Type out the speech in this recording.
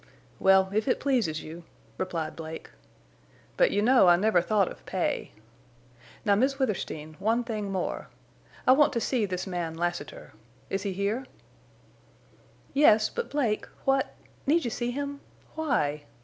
"Well, if it pleases you," replied Blake. "But you know I never thought of pay. Now, Miss Withersteen, one thing more. I want to see this man Lassiter. Is he here?" "Yes, but, Blake—what—Need you see him? Why?"